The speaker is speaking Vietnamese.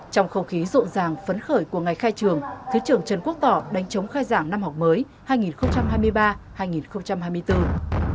trong không khí rộn ràng phấn khởi của ngày khai trường thứ trưởng trần quốc tỏ đánh chống khai giảng năm học mới hai nghìn hai mươi ba hai nghìn hai mươi bốn